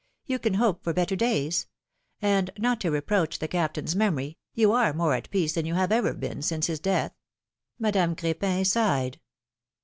You can hope for better days. And, not to reproach the Captain's memory, you are more at peace than you have ever been since his death." Madame Cr^pin sighed.